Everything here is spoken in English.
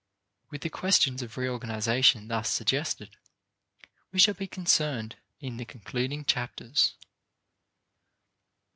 With the questions of reorganization thus suggested, we shall be concerned in the concluding chapters.